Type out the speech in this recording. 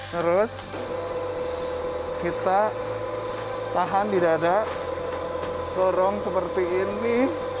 terus kita tahan di dada dorong seperti ini